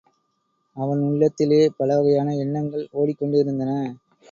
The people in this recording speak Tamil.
அவன் உள்ளத்திலே பலவகையான எண்ணங்கள் ஓடிக்கொண்டிருந்தன.